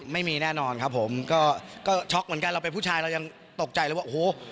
แน่นอนครับผมก็ช็อกเหมือนกันเราเป็นผู้ชายเรายังตกใจเลยว่าโอ้โห